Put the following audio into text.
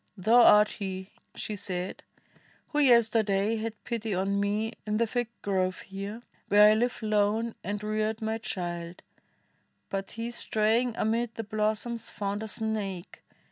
thou art he," she said, "who yesterday Had pity on me in the fig grove here, Where I live lone and reared my child ; but he Straying amid the blossoms found a snake.